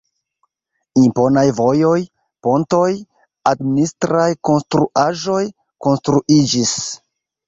Imponaj vojoj, pontoj, administraj konstruaĵoj konstruiĝis.